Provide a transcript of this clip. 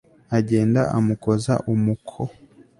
agenda amukoza umuko